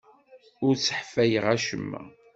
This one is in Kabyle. Ur sseḥfayeɣ acemma.